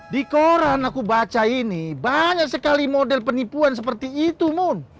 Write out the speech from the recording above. di koran aku baca ini banyak sekali model penipuan seperti itu moon